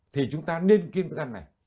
thì chúng ta nên kiêm thức ăn này